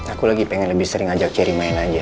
aku lagi pengen lebih sering ajak cherry main aja